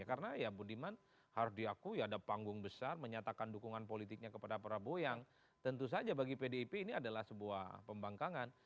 karena ya budiman harus diakui ada panggung besar menyatakan dukungan politiknya kepada prabowo yang tentu saja bagi pdip ini adalah sebuah pembangkangan